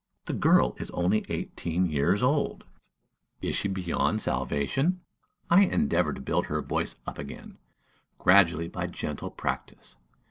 The girl is only eighteen years old: is she beyond salvation? I endeavor to build her voice up again, gradually, by gentle practice.